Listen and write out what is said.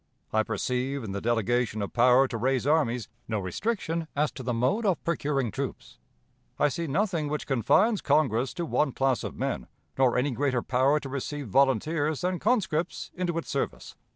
I perceive, in the delegation of power to raise armies, no restriction as to the mode of procuring troops. I see nothing which confines Congress to one class of men, nor any greater power to receive volunteers than conscripts into its service.